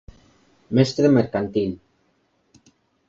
Mestre mercantil.